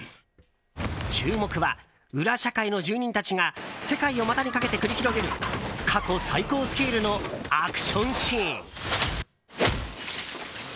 注目は裏社会の住人たちが世界を股にかけて繰り広げる過去最高スケールのアクションシーン。